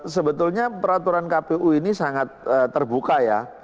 sebetulnya peraturan kpu ini sangat terbuka ya